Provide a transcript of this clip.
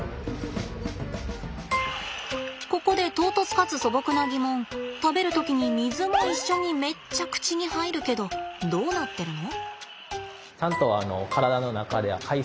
ここで唐突かつ素朴な疑問食べる時に水も一緒にめっちゃ口に入るけどどうなってるの？